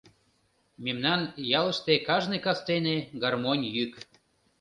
Мемнан ялыште кажне кастене — гармонь йӱк.